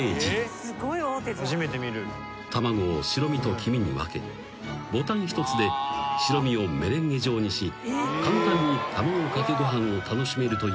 ［卵を白身と黄身に分けボタン一つで白身をメレンゲ状にし簡単に卵かけご飯を楽しめるというこの商品］